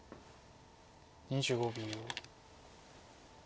２５秒。